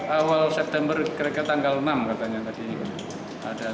awal september kira kira tanggal enam katanya tadi